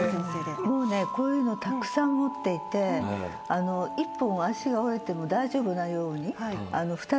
こういうのたくさん持っていて一本足が折れても大丈夫なように２つあるんですよね。